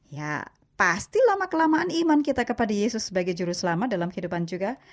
ya pasti lama kelamaan iman kita kepada yesus sebagai jurus lama dalam kehidupan juga